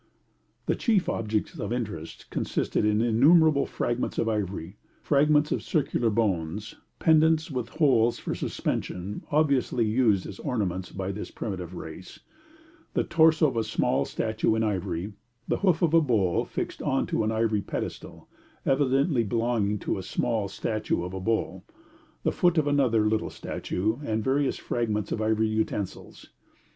The chief objects of interest consisted in innumerable fragments of ivory, fragments of circular boxes, pendants with holes for suspension (obviously used as ornaments by this primitive race), the torso of a small statue in ivory, the hoof of a bull fixed on to an ivory pedestal, evidently belonging to a small statue of a bull, the foot of another little statue, and various fragments of ivory utensils.